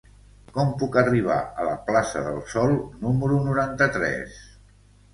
Com puc arribar a la plaça del Sol número noranta-tres?